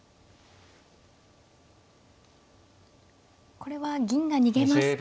これは銀が逃げますと。